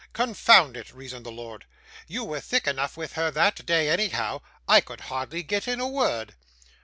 'Confound it!' reasoned the lord, 'you were thick enough with her that day, anyhow. I could hardly get in a word.